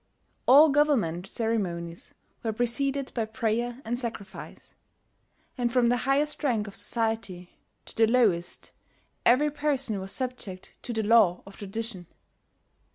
All government ceremonies were preceded by prayer and sacrifice; and from the highest rank of society to the lowest every person was subject to the law of tradition.